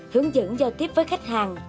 hướng dẫn giao tiếp với khách hàng